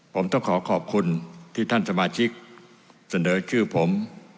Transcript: ผมต้องขอขอบคุณที่ท่านสมาชิกเสนอชื่อผม